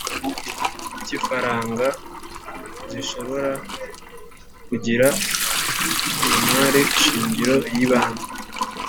k ifaranga zishobora kugira ku mari shingiro y ibanki